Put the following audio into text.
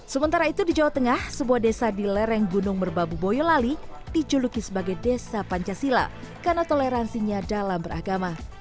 sementara itu di jawa tengah sebuah desa di lereng gunung merbabu boyolali dijuluki sebagai desa pancasila karena toleransinya dalam beragama